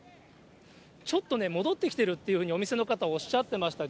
ちょっとね、戻ってきてるっていうふうにお店の方、おっしゃってました。